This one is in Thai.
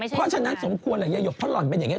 เพราะฉะนั้นสมควรแหละอย่าหยกเพราะหล่อนเป็นอย่างนี้